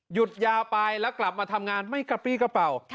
หยุดยาวไปแล้วกลับมาทำงานไม่กระปี้กระเป๋า